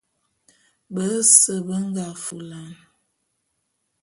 Bese be nga fulan.